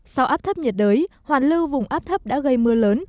sau áp thấp nhiệt đới hoàn lưu vùng áp thấp đã gây mưa lớn